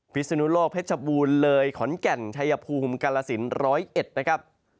พิศนุโลกเพชรบูรณ์เลยขอนแก่นชัยภูมิกาลสินร้อยเอ็ดนะครับ